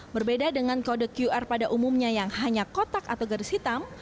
berbeda dengan kode qr pada umumnya yang hanya kotak atau garis hitam